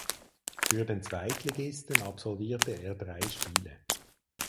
Für den Zweitligisten absolvierte er drei Spiele.